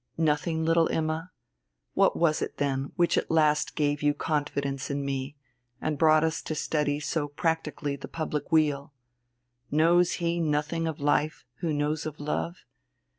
"Nothing, little Imma? What was it, then, which at last gave you confidence in me, and brought us to study so practically the public weal? Knows he nothing of life who knows of love?